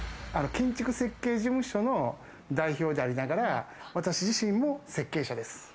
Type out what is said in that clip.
建築設計事務所の代表でありながら、私自身も設計者です。